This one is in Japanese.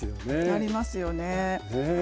なりますよね。